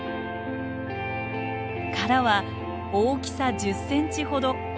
殻は大きさ１０ｃｍほど。